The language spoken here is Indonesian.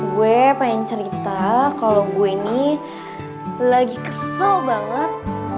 gue pengen cerita kalau gue ini lagi kesel banget